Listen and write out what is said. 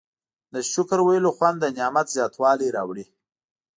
د شکر ویلو خوند د نعمت زیاتوالی راوړي.